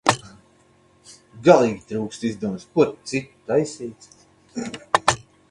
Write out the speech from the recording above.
Galīgi trūkst izdomas, ko citu taisīt.